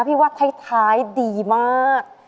พี่ว่าท้ายดีมาก